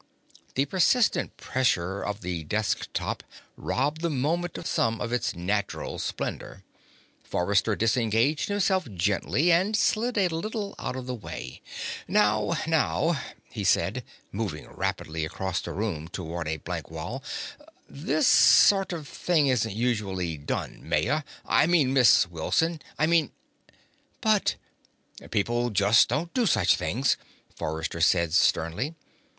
The insistent pressure of the desk top robbed the moment of some of its natural splendor. Forrester disengaged himself gently and slid a little out of the way. "Now, now," he said, moving rapidly across the room toward a blank wall. "This sort of thing isn't usually done, Maya. I mean, Miss Wilson. I mean " "But " "People just don't do such things," Forrester said sternly.